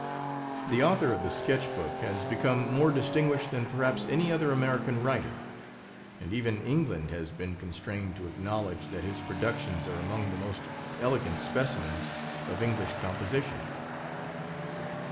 The author of the Sketch Book has be come more distinguished than perhaps any other American writer ; and even England has been constrained to acknowledge that his productions are among the most elegant specimens of English composition.